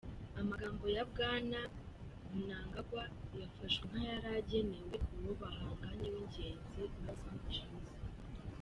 Amagambo ya Bwana Mnangagwa yafashwe nk'ayari agenewe uwo bahanganye w'ingenzi, Nelson Chamisa.